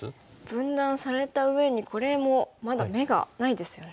分断されたうえにこれもまだ眼がないですよね。